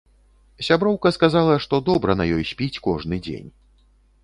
Сяброўка сказала, што добра на ёй спіць кожны дзень.